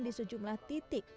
di sejumlah titik